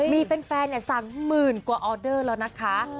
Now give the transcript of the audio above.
มีแฟนสั่งหมื่นกว่าออเดอร์แล้วนะคะ